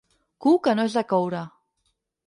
Cu que no és de coure.